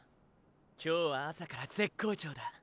今日は朝から絶好調だ！